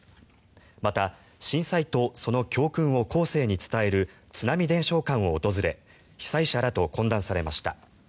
また、震災とその教訓を後世に伝える津波伝承館を訪れ被災者らと懇談されました。